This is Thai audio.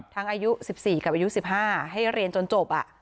ทั้งอายุสิบสี่กับอายุสิบห้าให้เรียนจนจบอ่ะ